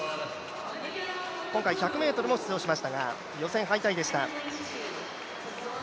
今回１００ｍも出場しましたが、予選敗退でした。